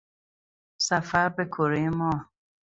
سفر به کرهی ماه